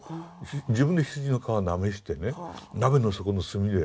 自分で羊の皮なめしてね鍋の底の炭で。